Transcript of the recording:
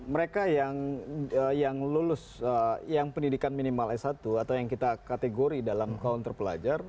mereka yang lulus yang pendidikan minimal s satu atau yang kita kategori dalam kaum terpelajar